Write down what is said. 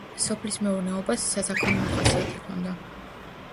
სოფლის მეურნეობას სასაქონლო ხასიათი ჰქონდა.